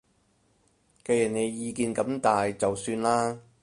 既然你意見咁大就算啦